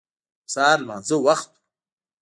د سهار لمانځه وخت و.